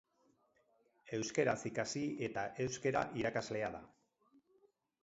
Euskaraz ikasi eta euskara irakaslea da.